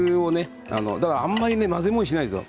あんまり混ぜもしないですよ。